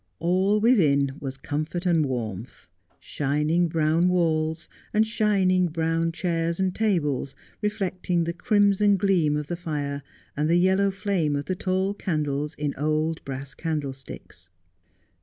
All within war) comfort and warmth — shining brown walls, and shining brown chairs and tables reflecting the crimson gleam of the fire, and the yellow flame of the tall candles in old brass candlesticks.